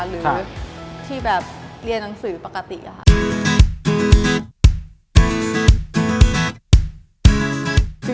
หรือที่แบบเรียนหนังสือปกติอะค่ะ